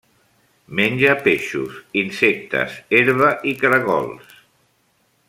Menja peixos, insectes, herba i caragols.